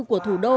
của thủ đô